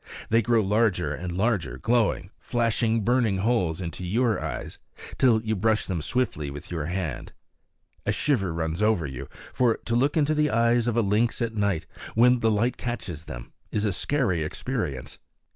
They grow larger and larger, glowing, flashing, burning holes into your eyes till you brush them swiftly with your hand. A shiver runs over you, for to look into the eyes of a lynx at night, when the light catches them, is a scary experience.